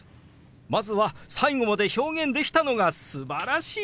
まずは最後まで表現できたのがすばらしいですよ！